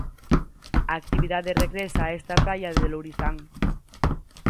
A actividade regresa a esta praia de Lourizán.